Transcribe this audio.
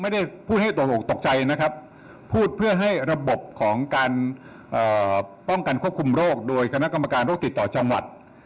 ไม่ได้พูดให้ตกออกตกใจนะครับพูดเพื่อให้ระบบของการป้องกันควบคุมโรคโดยคณะกรรมการโรคติดต่อจังหวัด